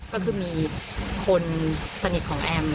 ก็คือมีคนสนิทของแอม